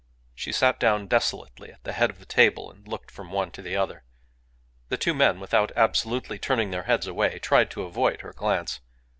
She sat down desolately at the head of the table and looked from one to the other. The two men, without absolutely turning their heads away, tried to avoid her glance.